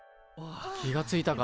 気がついたか。